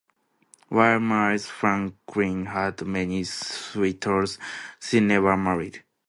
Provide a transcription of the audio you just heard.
While Miles Franklin had many suitors, she never married.